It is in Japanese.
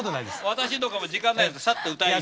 私とかは時間ないんでサッと歌いに。